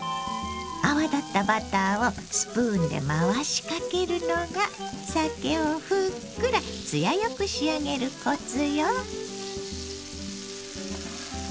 泡立ったバターをスプーンで回しかけるのがさけをふっくら艶よく仕上げるコツよ。